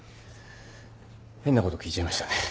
変なこと聞いちゃいましたね。